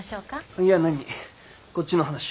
いやなにこっちの話よ。